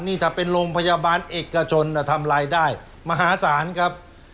นี่ถ้าเป็นโรงพยาบาลเอกชนทำรายได้มหาศาลครับ